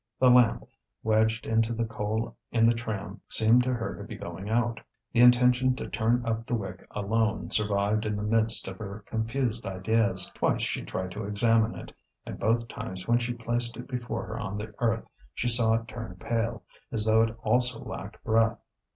The lamp, wedged into the coal in the tram, seemed to her to be going out. The intention to turn up the wick alone survived in the midst of her confused ideas. Twice she tried to examine it, and both times when she placed it before her on the earth she saw it turn pale, as though it also lacked breath.